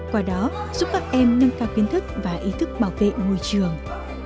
qua đó giúp các em nâng cao kiến thức và ý thức bảo vệ môi trường